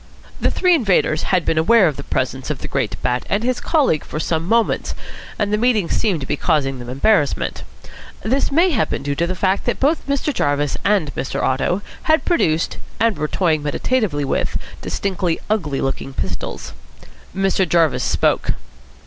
The three invaders had been aware of the presence of the great Bat and his colleague for some moments, and the meeting seemed to be causing them embarrassment. This may have been due to the fact that both Mr. Jarvis and Mr. Otto had produced and were toying meditatively with distinctly ugly looking pistols. Mr. Jarvis spoke.